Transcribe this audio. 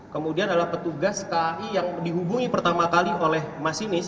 kemudian adalah petugas kai yang dihubungi pertama kali oleh masinis